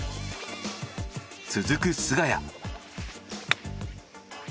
続く菅谷。